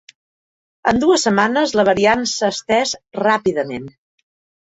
En dues setmanes la variant s’ha estès ràpidament.